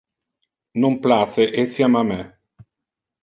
Non place etiam a me.